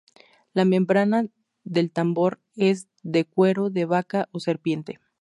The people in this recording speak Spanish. La membrana del tambor es de cuero de vaca o serpiente.